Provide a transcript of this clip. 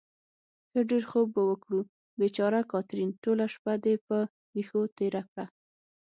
ښه ډېر خوب به وکړو. بېچاره کاترین، ټوله شپه دې په وېښو تېره کړه.